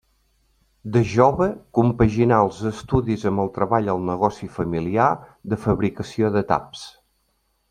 De jove compaginà els estudis amb el treball al negoci familiar de fabricació de taps.